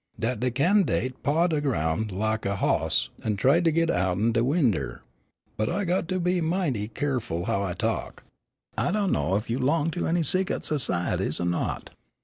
Dat can'date pawed de groun' lak a hoss an' tried to git outen de winder. But I got to be mighty keerful how I talk: I do' know whethah you 'long to any secut s'cieties er not.